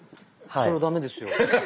それは駄目ですよ。